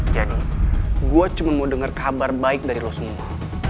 jadi gue cuma mau denger kabar baik dari lo semua